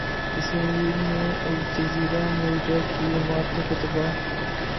اسرائیل نے Al Jazeera media کی عمارتوں کو تباہ